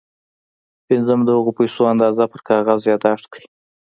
پنځم د هغو پيسو اندازه پر کاغذ ياداښت کړئ.